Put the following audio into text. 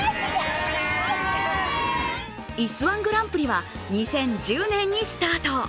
いす−１グランプリは２０１０年にスタート。